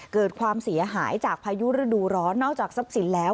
เกิดความเสียหายจากพายุฤดูร้อนนอกจากทรัพย์สินแล้ว